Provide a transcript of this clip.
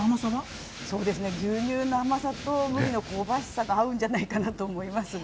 そうですね、牛乳の甘さと麦の香ばしさが合うんじゃないかなと思います。